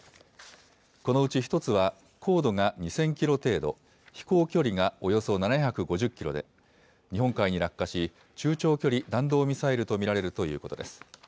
このうち１つは高度が２０００キロ程度、飛行距離がおよそ７５０キロで、日本海に落下し、中長距離弾道ミサイルと見られるということです。